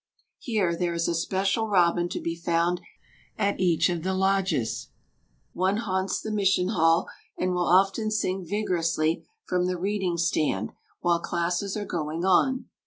Here, there is a special robin to be found at each of the lodges; one haunts the Mission Hall and will often sing vigorously from the reading stand while classes are going on.